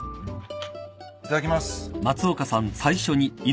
いただきます。